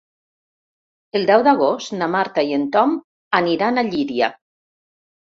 El deu d'agost na Marta i en Tom aniran a Llíria.